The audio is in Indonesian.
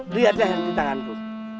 lihatlah yang di tanganku